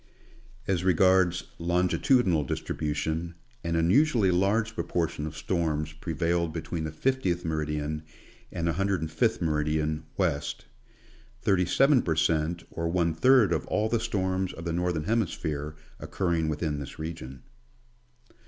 As regards longitudinal distribution, an unusually large pro portion of storms prevailed between the 50th meridian and 105th meridian, west ; 37 per cent, or one third of all the storms of the Northern Hemisj)here occurring within this region.